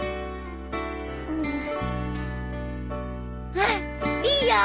うんいいよ！